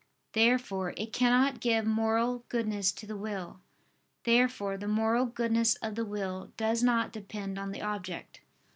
Therefore it cannot give moral goodness to the will. Therefore the moral goodness of the will does not depend on the object.